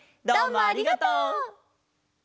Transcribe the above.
どうもありがとう！